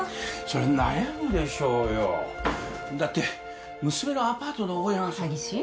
そりゃ悩むでしょうよだって娘のアパートの大家が詐欺師？